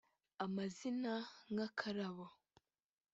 Amazina nka Akarabo